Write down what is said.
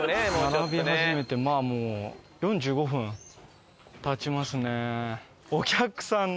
並び始めてもう４５分経ちますね。